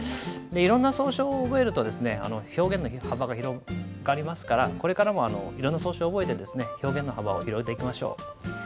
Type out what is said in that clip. いろんな草書を覚えると表現の幅が広がりますからこれからもいろんな草書を覚えて表現の幅を広げていきましょう。